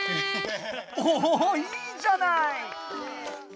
おおいいじゃない！